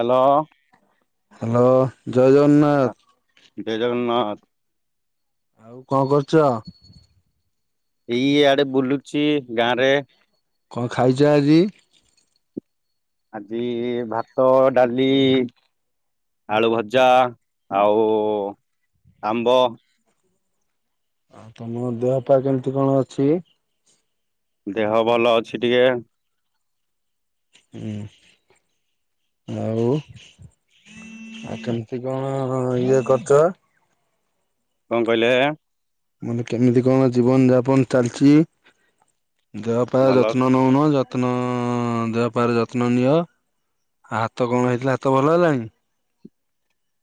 Hello. Hello ଜୟ ଜଗନା ହ ଜୟ ଜଗନ୍ନାଥ। ଆଉ କଁ କରୁଚ? ଏଇ ଇଆଡେ ବୁଲୁଚି ଗାଁ ରେ। କଁ ଖାଇଚ ଆଜି? ଆଜି ଭାତ ଡାଲି ଆଳୁ ଭଜା ଆଉ ଆମ୍ବ। ଆଉ ତମ ଦେହ ପା କେମିତି କଣ ଅଛି? ଦେହ ଭଲ ଅଛି ଟିକେ। ହୁଁ ଆଉ ଆଉ କେମିତି କଣ ଇଏ କରୁଚ? କଁ କହିଲେ? ମାନେ କେମିତି କଣ ଜୀବନ ଯାପନ ଚାଲିଚି ଦେହପା ଭଲ ଯତ୍ନ ନଉନ ଯ ତ୍ନ ଦେହପାର ଯତ୍ନ ନିଅ ଆଉ ହାତ କଣ ହେଇଥିଲା ହାତ ଭଲ ହେଲାଣି?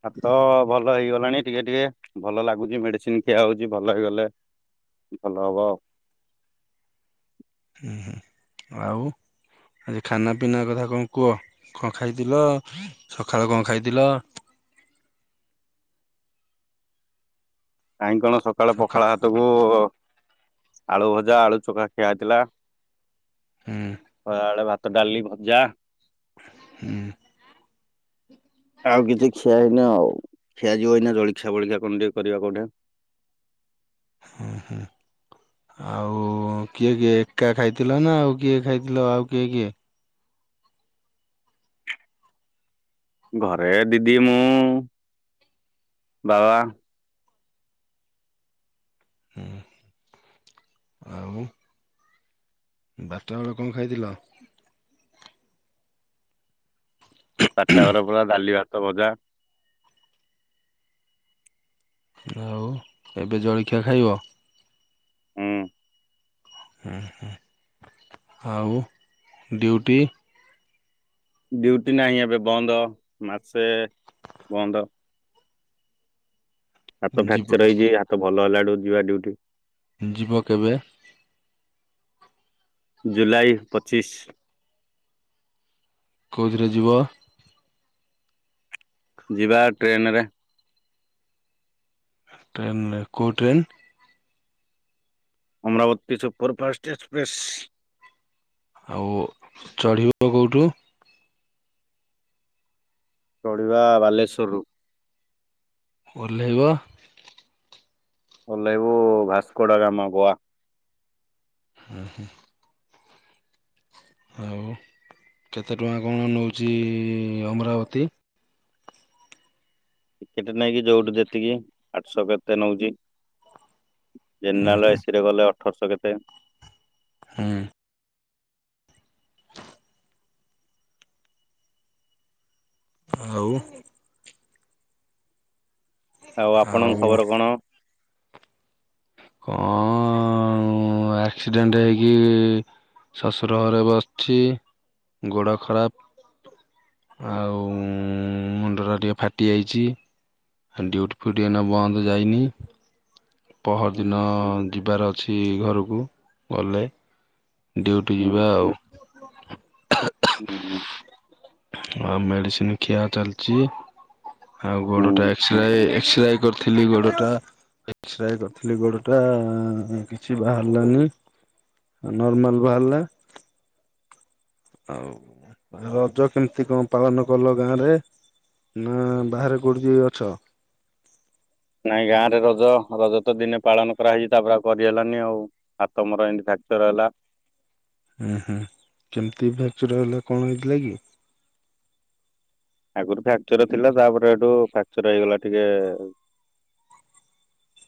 ହାତ ଭଲ ହେଇଗଲାଣି ଟିକେ ଟିକେ ଭଲ ଲାଗୁଚି ମେଡିସିନ ଖିଆ ହଉଚି ଭଲ ହେଇଗଲେ ଭଲ ହବ ଆଉ। ହୁଁ ହୁଁ ଆଉ ଆଜି ଖାନା ପିନା କଥା କଣ କୁହ କଣ ଖାଇଥିଲ ସକାଳେ କଣ ଖାଇଥିଲ? କାହିଁ କଣ ସକାଳେ ସକା ପଖାଳ ଭାତ କୁ ଆଳୁ ଭଜା ଆଳୁ ଚ୍ଚୋଖା ଖିଆ ହେଇଥିଲା। ହୁଁ ଆଳୁ ଭାତ ଡାଲି ଭଜା। ହୁଁ। ଆଉ କିଛି ଖିଆ ହେଇନି ଆଉ ଖିଆଯିବ ଏଇନା ଜଳଖିଆ ଫଳିଖା କଣ ଟିକେ କରିବା କୋଉଠି। ହୁଁ ହୁଁ। ଆଉ କିଏ କିଏ ଏକା ଖାଇଥିଲ ନା ଆଉ କିଏ ଖାଇଥିଲ ଆଉ କିଏ କିଏ? ଘରେ ଦିଦି ମୁଁ ବାବା। ହୁଁ, ଆଉ। ବାର ଟା ବେଳେ କଁ ଖାଇଥିଲ? ବାରଟା ବେଳୁ ପଳେଇବ ଡାଲି, ଭାତ, ଭଜା ଆଉ ଏବେ ଜଳଖିଆ ଖାଇବ। ହୁଁ ହ ହଁ ଆଉ ଡ୍ୟୁଟି ଡ୍ୟୁଟି ନାହିଁ ଏବେ ବନ୍ଦ ମାସେ ବନ୍ଦ ହାତ ଯିବ ଫ୍ରାଚର ହେଇଛି। ହାତ ଭଲ ହେଲାଠୁ ଯିବା ଡ୍ୟୁଟି। ଯିବ କେବେ? ଜୁଲାଇ ପଚିଶ। କୋଉଥିରେ ଯିବ? ଯିବା ଟ୍ରେନରେ। ଟ୍ରେନରେ କୋଉ train? Amravati super fast express. ଆଉ ଚଢ଼ିବ କୋଉଠୁ? ଚଢି଼ବା ବାଲେଶ୍ଵରରୁ ଓଲେହିବ ଭଲଇବୁ ଭାସ୍କଡ ଆମ ଗୋଆ। [inaudible] ଆଉ କେତେ ଟଙ୍କା କଣ ନଉଛି ଅମରାବତୀ? ଟିକେଟ ନେଇକି ଯୋଉଠୁ ଯେତିକି ଆଠଶହ କେତେ ନଉଛି। ହୁଁ ଜେନେରାଲ ଏସିି ରେ ଗଲେ ଅଠରଶହ କେତେ ହୁଁ ଆଉ ଆଉ ଆପଣଙ୍କ ଖବର କଣ? କ ‌ଅ ମୁଁ ଆକ୍ସିଡେଣ୍ଟ ହେଇକି ଶଶୁର ଘରେ ବସିଛି। ଗୋଡ଼ ଖରାପ ଆଉ ମୁଣ୍ଡଟା ଟିକେ ଫାଟିଯାଇଛି। ଡ୍ୟୁଟି ଫିଉଟି ଏଇନା ବନ୍ଦ ଯାଇନି। ପହରଦିନ ହୁଁ ଯିବାର ଅଛି ଘରକୁ ଗଲେ ଡ୍ୟୁଟି ହୁଁ ଯିବା ଆଉ। ହୁଁ ଆଉ ମେଡିସିନ ଖିଆ ଚାଲିଛି, ଆଉ ହୁଁ ଗୋଡ଼ଟା ଏ ଏକ୍ସରେ କରିଥିଲି ଗୋଡ଼ଟା। ଏକ୍ସରେ କରିଥିଲି ଗୋଡ଼ଟା କିଛି ବାହାରିଲାନି। ନର୍ମାଲ ବାହାରିଲା। ଆଉ ରଜ କେମିତି କଣ ପାଳନ କଲ ଗାଁରେ? ନା ବାହାରେ କୋଉଠି ଅଛ? ନାଇଁ ଗାଁରେ ରଜ ରଜ ତ ଦିନେ ପାଳନ କରାଯାଇଛି। ତାପରେ ଆଉ କରିହେଲାନି ଆଉ। ହାତ ମର ଏମତି ଫ୍ୟାଚର ହେଲା। ହୁଁ ହୁଁ କେମିତି ଫ୍ୟାକ୍ଚର ହେଲା କଣ ହେଇଥିଲା କି? ଆଗରୁ ଫ୍ରାକ୍ଚର ଥିଲା ତାପରେ ହେଠୁ ଫ୍ରାକ୍ଚର ହେଇଗଲା ଟିକେ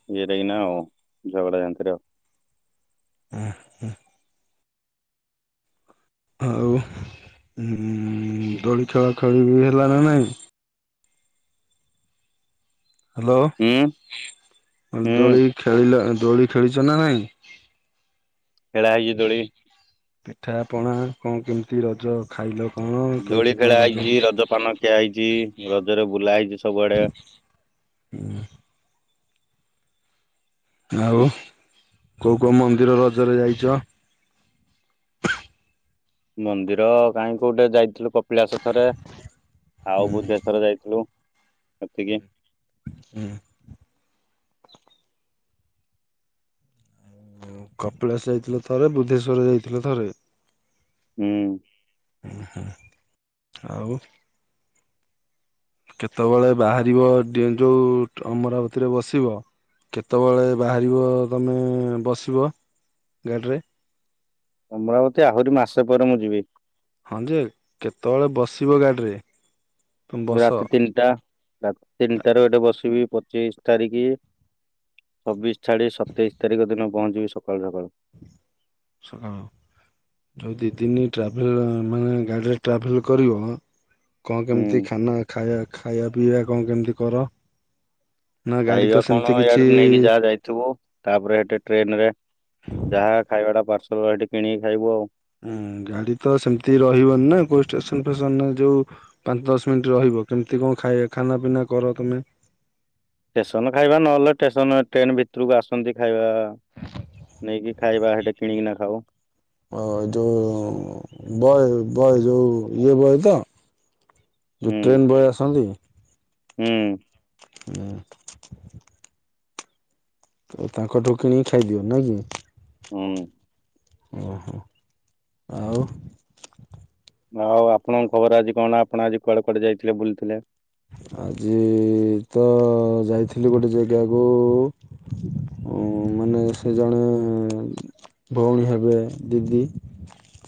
[unintelligible] କିି ନା ଆଉ ଝଗଡ଼ା ନ୍ତିରେ ଆଉ। ହୁଁ ହୁଁ ଆଉ ହଁ ମୁଁ ଦୋଳି ଖେଳାଖେଳି ହେଲା ନା ନାହିଁ। ହୁଁ ହ୍ୟାଲୋ ହୁଁ ଦୋଳି ଖେଳିଲ ଦୋଳି ଖେଳିଛ ନା ନାଇଁ? ଖେଳା ହେଇଛି ଦୋଳି। ପିଠା ପଣା କଣ କେମିତି ରଜ ଖାଇଲ କଣ କେମିତି କଣ ରଜ? ରଜପାନ ଖିଆ ହେଇଛି ରଜରେ ବୁଲା ହେଇଛି ସବୁଆଡେ। [inaudible] ଆଉ କୋଉ କୋଉ ମନ୍ଦିର ରଜରେ ଯାଇଛ? ମନ୍ଦିର ଗାଁ କୁ ଗୋଟେ ଯାଇଥିଲୁ କପିଳାଶ ଥରେ ହୁଁ ଆଉ ବୁଦ୍ଧେଶ୍ଵର ଯାଇଥିଲୁ। ସେତିକି ହୁଁ। କପିଳାସ ଯାଇଥିଲୁ ଥରେ ବୁଦ୍ଧେଶ୍ୱର ଯାଇଥିଲୁ ଥରେ। ହୁଁ। ଉ ହୁଁ ଆଉ କେତେବେଳେ ବାହାରିବ ଡି ଯୋଉ ଅମରାବତୀରେ ବସିବ କେତେବେଳେ ବାହାରିବ ତମେ ବସିବ ଗାଡିରେ? ଅମରାବତୀ ଆହୁରି ମାସେ ପରେ ମୁଁ ଯିବି। ହଁ ଯେ କେତେବେଳେ ବସିବ ଗାଡ଼ିରେ? ରାତି ତିନିଟା ରାତି ତିନିଟା ରୁ ଏଠୁ ବସିବି ତେଇଶି ତାରିଖ ଛବିଶ ଛାଡି ସତେଇଶି ତାରିଖ ଦିନ ପହଞ୍ଚିବି ସକାଳୁ ସକାଳୁ। ଶୁଣ ଯୋଉ ଦି ଦିନି ଟ୍ରାଭେଲ ମାନେ ଗାଡ଼ିରେ ଟ୍ରାଭେଲ କରିବ କଣ କେମିତି ହୁଁ ଖାନା ଖାଇବା ଖାଇବା ପିଇବା କଣ କେମିତି କର? ନା ଗାଡି ତ ଖାଇବା କଣ ସେମିତି କିଛି ଇଆଡୁ ନେଇକି ଯାହା ଯାଇଥିବୁ। ତାପରେ ସେଠି ଟ୍ରେନରେ ଯାହା ଖାଇବାଟା ପାର୍ସଲ ସେଠି କିଣିକି ଖାଇବୁ ଆଉ। ହୁଁ, ଗାଡି ତ ସେମିତି ରହିବନି ନା କୋଉ ଷ୍ଟେସନ ଫେସନ ରେ ଯୋଉ ପାଞ୍ଚ ଦଶ ମିନିଟ୍ ରହିବ କେମିତି କଣ ଖାଇଆ ଖାନା ପିନା କର ତମେ? ଷ୍ଟେସନ ଖାଇବା ନହେଲେ ଷ୍ଟେସନ ଟ୍ରେନ ଭିତରକୁ ଆସନ୍ତି ଖାଇବା ନେଇକି ଖାଇବା ସେଠି କିଣିକି ନା ଖାଉ‌। ଵ ଯୋଉ ବୟ ବୟ ଯୋଉ ଇଏ ବୟ ତ? ଯୋଉ ହୁଁ ଟ୍ରେନ୍ ବୟ ଆସନ୍ତି? ହୁଁ। ହୁଁ। ତାଙ୍କଠୁ କିଣିକି ଖାଇଦିଅ ନାଇଁ କି? ହୁଁ। ଓହୋ ଆଉ ଆଉ ଆପଣଙ୍କ ଖବର ଆଜି କଣ ଆପଣ ଆଜି କୁଆଡେ କୁଆଡେ ଯାଇଥିଲେ ବୁଲିଥିଲେ? ଆଜି ତ ଯାଇଥିଲି ଗୋଟେ ଜାଗାକୁ ଓ ମାନେ ସେ ଜଣେ ଭଉଣୀ ହେବେ ଦିଦି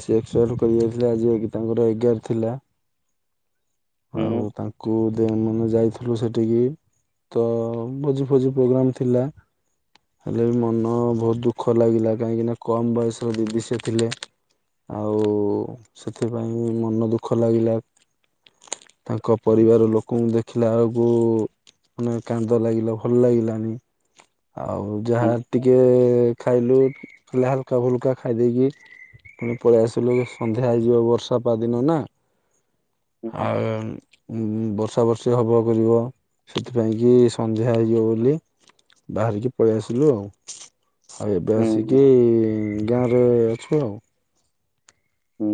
ସେ ଏକ୍ସପାଏଡ୍ କରିଯାଇଥିଲେ ଆଜି ଯାଇକି ତାଙ୍କର ଏଗାର ଥିଲା ହୁଁ ଆଉ ତାଙ୍କୁ ଦେ ମାନେ ଯାଇଥିଲୁ ସେଠିକି। ତ ଭୋଜି ଫୋଜି ପ୍ରୋଗ୍ରମ୍ ଥିଲା। ହେଲେ ବି ମନ ବହୁତ ଦୁଃଖ ଲାଗିଲା କାହିଁକିନା କମ୍ ବୟସର ଦିଦି ସେ ଥିଲେ। ଆଉ ସେଥିପାଇଁ ବି ମନ ଦୁଃଖ ଲାଗିଲା। ତାଙ୍କ ପରିବାର ଲୋକଙ୍କୁ ଦେଖିଲା ବେଳକୁ ମାନେ କାନ୍ଦ ଲାଗିଲା ଭଲ ଲାଗିଲାନି। ଆଉ ହୁଁ ଯାହା ଟିକେ ଖାଇଲୁ, ଖାଲି ହାଲକା ଫୁଲକା ଖାଇ ଦେଇକି ପୁଣି ପଳେଇ ଆସିଲୁ ସନ୍ଧ୍ୟା ହେଇଯିବ ବର୍ଷା ପାଦିନ ନା। ହୁଁ ଆଉ ବର୍ଷା ବର୍ଷି ହବ କରିବ ସେଥିପାଇଁ କି ସନ୍ଧ୍ୟା ହେଇଯିବ ବୋଲି ବାହାରିକି ପଳେଇ ଆସିଲୁ ଆଉ। ଆଉ ଏବେ ହୁଁ ଆସିକି ଗାଁ ରେ ଅଛୁ ଆଉ। ହୁଁ।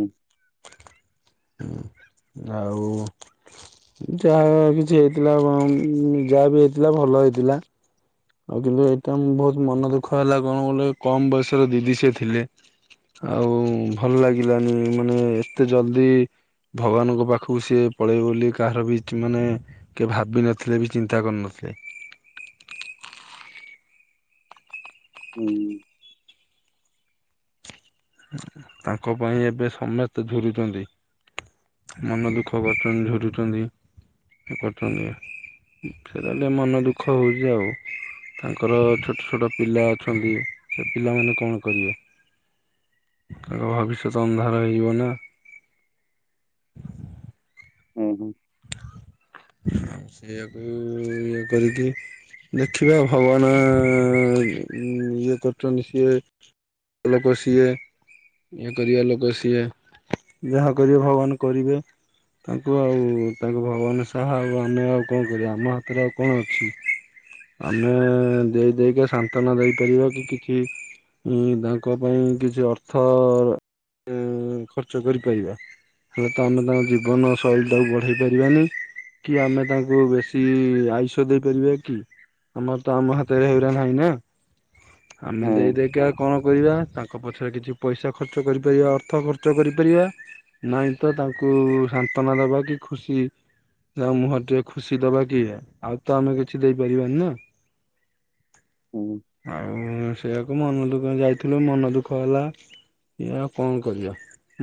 ହୁଁ ଆଉ ଯାହା କିଛି ହେଇଥିଲା ବଂ ଯାହା ବି ହେଇଥିଲା ଭଲ ହେଇଥିଲା। ଆଉ କିନ୍ତୁ ଏଇଟା ମୋ ବହୁତ ମନ ଦୁଃଖ ହେଲା କଣ କ [unintelligible] ଲ କମ ବୟସର ଦିଦି ସେ ଥିଲେ। ଆଉ ଭଲ ଲାଗିଲାନି ମାନେ ଏତେ ଜଲ୍ଦି ଭଗବାନଙ୍କ ପାଖକୁ ସିଏ ପଳେଇବ ବୋଲି କାହାର ବି ମାନେ କେହି ଭାବିିନଥିଲେ ବି ଚିନ୍ତା କରିନଥିଲେ। ହୁଁ। ତାଙ୍କ ପାଇଁ ଏବେ ସମସ୍ତେ ଝୁରୁଛନ୍ତି। ମନ ଦୁଃଖ କରୁଛନ୍ତି। ଝୁରିଛନ୍ତି ଇଏ କରୁଛନ୍ତି। ଦେଖିଲା ବେଳକୁ ଟିକେ ମନ ଦୁଃଖ ହଉଛି ଆଉ। ତାଙ୍କର ଛୋଟ, ଛୋଟ ପିଲା ଅଛନ୍ତି। ସେ ପିଲାମାନେ କଣ କରିବେ? ତାଙ୍କର ଭବିଷ୍ୟତ ଅନ୍ଧାର ହେଇଯିବ ନା? ହୁଁ, ହୁଁ। ସେଇଆକୁ ଇଏ କରିକି ଦେଖିବା ଭଗବାନ ଉଁ ଇଏ କରଛନ୍ତି, ସିଏ ପିଲାକୁ ସିଏ ଇଏ କରିବା ଲୋକ ସିଏ ଯାହା କରିବେ ଭଗବାନ କରିବେ। ତାଙ୍କୁ ଆଉ ତାକୁ ଭଗବାନ ସାହା ଆଉ ଆମେ ଆଉ କଣ କରିବା? ଆମ ହାତରେ ଆଉ କଣ ଅଛି‌। ଆମେ ଦେଇ ଦେଇକା ସାନ୍ତ୍ଵନା ଦେଇପାରିବା। କି, କିଛି ଉଁ ତାଙ୍କ ପାଇଁ କିଛି ଅର୍ଥ ଉଁ ଖର୍ଚ୍ଚ କରିପାରିବା। ହେଲେ ତ ଆମେ ତାଙ୍କ ଜୀବନ ଶୈଳୀ ଟାକୁ ଦେଇପାରିବାନି। କି ଆମେ ତାଙ୍କୁ ବେଶୀ ଆୟୁଷ ଦେଇପାରିବା କି? ଆମର ତ ଆମ ହାତରେ ହେଗୁରା ନାହିଁ ନା, ଆମେ ହୁଁ ଦେଇଦେଇକା କଣ କରିବା ତାଙ୍କ ତାଙ୍କ ପଛରେ କିଛି ପଇସା ଖର୍ଚ୍ଚ କରିପାରିବା। ଅର୍ଥ ଖର୍ଚ୍ଚ କରିପାରିବା। ନାଇଁ ତ ତାଙ୍କୁ ସାନ୍ତ୍ୱନା ଦବା, କି ଖୁସି ଯା ମୁହଁ ରେ ଟିକେ ଖୁସି ଦବା କିଏ ଆଉ ତ ଆମେ କିଛି ଦେଇ ପାରିବାନି ନା। ହୁଁ। ଆଉ ସେଆକୁ ମନ ଦୁଃଖ ଯାଇଥିଲୁ ମନ ଦୁଃଖ ହେଲା। ଏୟା ଆଉ କଣ କରିବା?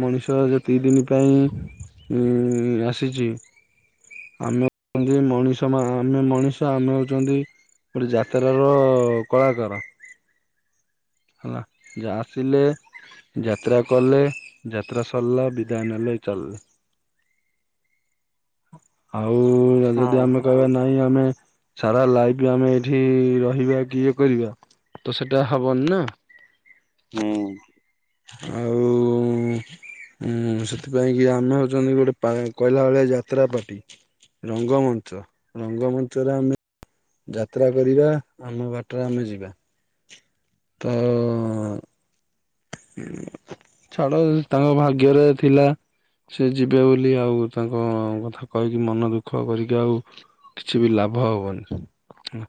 ମଣିଷ ଯେତିି ଦିନି ପାଇଁ ଉଁ ଆସି ସିଛି। ଆମେ ସବୁ ମଣିଷମ ଆମେ ମଣିଷ ଆମେ ହଉଛନ୍ତି ଗୋଟେ ଯାତ୍ରାର କଳାକାର। ହେଲା, ଯା ଆସିଲେ ଯାତ୍ରା କଲେ, ଯାତ୍ରା ସରିଲା ବିଦାୟ ନେଲେ ଚାଲିଲେ। ଆଉ ହୁଁ ଯଯଦି ଆମେ କହିବା ନାଇଁ ଆମେ ସାରା ଲାଇଫ୍ ଏଠି ରହିବା କି, ଇଏ କରିବା। ତ ସେଟା ହବନି ନା ହୁଁ। ଆଉ ହୁଁ ସେଥିପାଇଁ କି ଆମେ ହଉଛନ୍ତି ଗୋଟେ ପା କ‌ଇଲା ଭେଳିଆ ଯାତ୍ରା ପାର୍ଟି। ରଙ୍ଗମଞ୍ଚ ରଙ୍ଗମଞ୍ଚରେ ଆମେ ଯାତ୍ରା କରିବା। ଆମ ବାଟରେ ଆମେ ଯିବା। ତ ଛାଡ ତାଙ୍କ ଭାଗ୍ୟରେ ଥିଲା। ସେ ଯିବେ ବୋଲି ଆଉ ତାଙ୍କ କଥା କହିକି ମନ ଦୁଃଖ କରିକି ଆଉ କିଛି ବି ଲାଭ ହବନି। ହଁ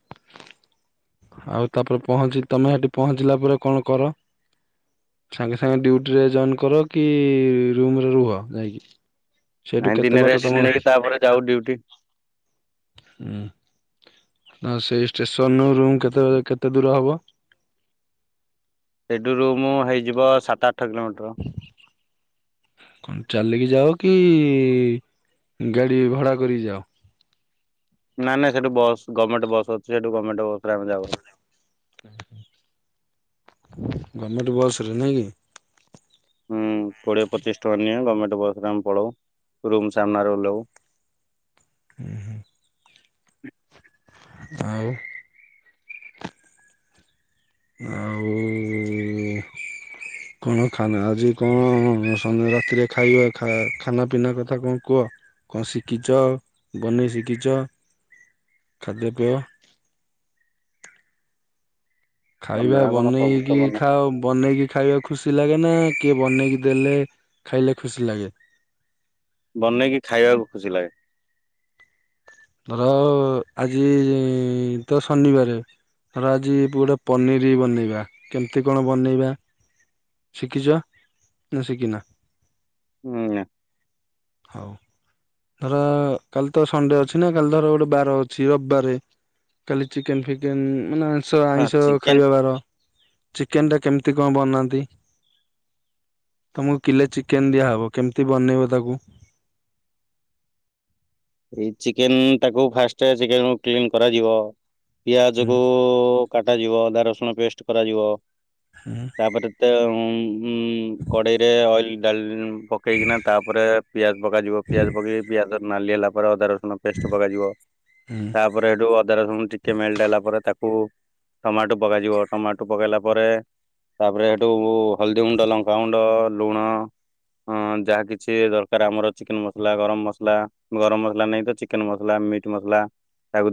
ଆଉ ତାପ୍ରେ ପହଞ୍ଚି ତମେ ହେଠି ପହଞ୍ଚିଲା ପରେ କଣ କର? ସାଙ୍ଗେ ସାଙ୍ଗେ ଡ୍ୟୁଟି ରେ ଜଏନ କର କି ରୁମ ରେ ରୁହ ଯାଇକି ସେଇଠୁ କେତେ ବାଟ ତମ ଡିଉଟି ହୁଁ ଆ ସେଇ ଷ୍ଟେସନ ରୁମ୍ କେତେ କେତେ ଦୂର ହେବ। ସେଇଠୁରୁୁ ମୁଁ ହେଇଯିବ ସାତ ଆଠ କିଲୋମିଟର। [inaudible] କଣ ଚାଲିକି ଯାଅ କି ଗାଡି ଭଡ଼ା କରିକି ଯାଅ। ନା ନାଁ ସେଠୁ ବସ୍ ଗମେଣ୍ଟ ବସ୍ ଅଛି ସେଠୁ ଗମେଣ୍ଟ ବସ୍ ରେ ଆମେ ଯାଉ। [inaudible] ଗଭର୍ଣମେଣ୍ଟ ବସ୍ ରେ ନାଇଁ କି। ହୁଁ କୋଡିଏ ପଚିଶ ଟଙ୍କା ନିଏ ଗମେଣ୍ଟ ବସରେ ଆମେ ପଳାଉ ରୁମ୍ ସାମ୍ନାରେ ଓଲାଉ। ହୁଁ ହୁଁ ଆଉ ଆଉ କଣ ଖାନା ଆଜି କଣ ସନ୍ଧ୍ୟା ରାତିରେ ଖାଇବା ଖାନା ପିନା କଥା କଣ କୁହ। କଣ ଶିଖିଛ, ବନେଇ ଶିଖିଛ, ଖାଦ୍ୟପେୟ ଖାଇବା ବନେଇବା କଣ ସବୁ ବନେଇକି ତ ବନା ଖାଅ ବନେଇକି ଖାଇବା କୁ ଖୁସି ଲାଗେ ନା କିଏ ବନେଇକି ଦେଲେ ଖାଇଲେ ଖୁସି ଲାଗେ। ବନେଇକି ଖାଇବାକୁ ଖୁସି ଲାଗେ। ଧର ଆଜି ତ ଶନିବାରେ ଧର ଆଜି ପୁରା ପନିର ବନେଇବା କେମିତି କଣ ବନେଇବା। ଶିଖିଛ ନା ଶିଖନ। ହୁଁ ନା। ହଉ। ଧର କାଲି ତ ସଣ୍ଡେ ଅଛି ନା କାଲି ଧର ଗୋଟେ ବାର ଅଛି ରବିବାରେ କାଲି ଚିକେନ ଫିକେନ ମାନେ ଆଇଷ ହଁ ଆଇଁଷ ଚିକେନ ଖାଇବା ବାର। ଚିକେନ ଟା କେମିତି କଣ ବନାନ୍ତି। ତମକୁ କିଲେ ଚିକେନ ଦିଆହବ କେମିତି ବନେଇବ ତାକୁ। ଏଇ ଚିକେନ ତାକୁ ଫାଷ୍ଟ ଚିକେନ କ୍ଲିନ କରାଯିବ। ପିଆଜ କୁ ହୁଁ କଟାଯିବ, ଅଧା ରସୁଣ ପେଷ୍ଟ କରାଯିବ। ହୁଁ। ତାପରେ ତ ଉ ଉଁ କଡେଇରେ ଅଏଲ ଡା ପକେଇକିନା ତାପରେ ପିଆଜ ପକାଯିବ ପିଆଜ ପକେଇକି ପିଆଜ ନାଲି ହେଲା ପରେ ଅଦା ରସୁଣ ପେଷ୍ଟ ପକାଯିବ। ହୁଁ ତାପରେ ସେଠୁ ଅଦା ରସୁଣ ଟିକେ ମେଲଟ ହେଲା ପରେ ତାକୁ ଟମାଟୋ ପକାଯିବ, ଟମାଟୋ ପକେଇଲା ପରେ ତାପରେ ସେଠୁ ହଳଦୀ ଗୁଣ୍ଡ ଲଙ୍କାଗୁଣ୍ଡ ଲୁଣ ହଁ ଯାହା କିଛି ଦରକାର ଆମର ଚିକେନ ମସଲା, ଗରମ ମସଲା ଗରମ ମସଲା ନାହିଁ ତ ଚିକେନ ମସଲା, ମିଟ୍ ମସଲା ତାକୁ